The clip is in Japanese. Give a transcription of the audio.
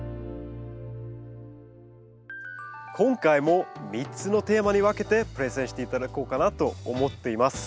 今回も３つのテーマに分けてプレゼンして頂こうかなと思っています。